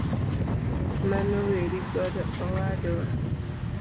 Mano weri godo owadwa.